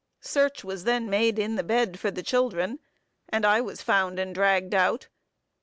Search was then made in the bed for the children; and I was found and dragged out.